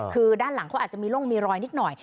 คือด้านหลังเขาอาจจะมีร่องมีรอยนิดหน่อย